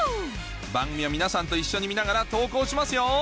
番組を皆さんと一緒に見ながら投稿しますよ